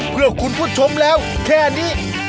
เพื่อคุณผู้ชมแล้วแค่นี้